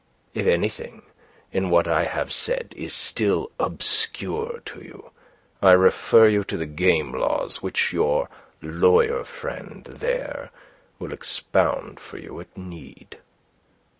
If anything in what I have said is still obscure to you, I refer you to the game laws, which your lawyer friend there will expound for you at need."